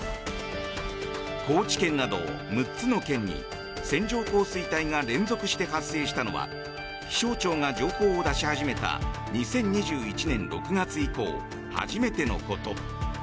高知県など６つの県に線状降水帯が連続して発生したのは気象庁が情報を出し始めた２０２１年６月以降初めてのこと。